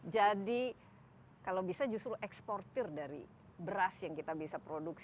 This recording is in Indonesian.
jadi kalau bisa justru eksportir dari beras yang kita bisa produksi